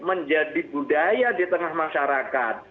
menjadi budaya di tengah masyarakat